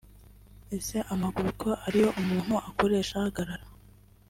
Ese amaguru ko ari yo umuntu akoresha ahagarara